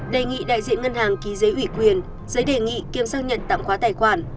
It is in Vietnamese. đề nghị đại diện ngân hàng ký giấy ủy quyền giấy đề nghị kiêm sang nhận tạm khóa tài khoản